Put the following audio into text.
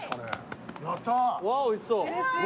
うわおいしそう。